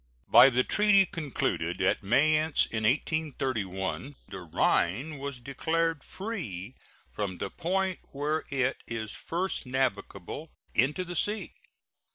By the treaty concluded at Mayence in 1831 the Rhine was declared free from the point where it is first navigable into the sea.